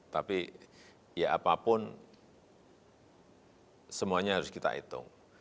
tapi ya apapun semuanya harus kita hitung